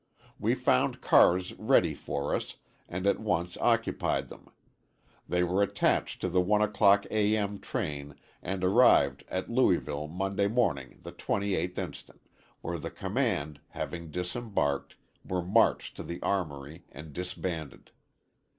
We found cars ready for us, and at once occupied them. They were attached to the one o'clock A. M. train and arrived at Louisville Monday morning, the 28th inst., where the command, having disembarked, were marched to the armory and disbanded.